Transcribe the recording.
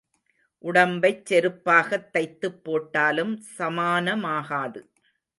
உடம்பைச் செருப்பாகத் தைத்துப் போட்டாலும் சமானமாகாது.